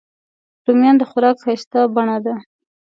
رومیان د خوراک ښایسته بڼه ده